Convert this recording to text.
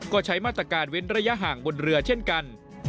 ก็ใช้มาตรการเว้นระยะห่างบนเรือเช่นกัน